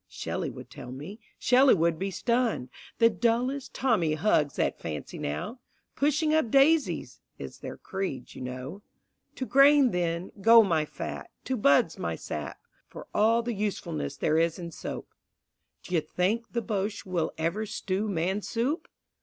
Shelley would tell me. Shelley would be stunned; The dullest Tommy hugs that fancy now. "Pushing up daisies," is their creed, you know. To grain, then, go my fat, to buds my sap, For all the usefulness there is in soap. D'you think the Boche will ever stew man soup?